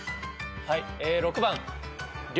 はい。